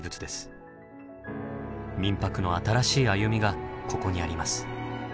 「みんぱく」の新しい歩みがここにあります。